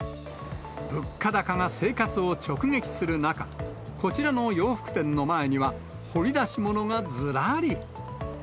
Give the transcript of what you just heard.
物価高が生活を直撃する中、こちらの洋服店の前には、掘り出し物がずらり。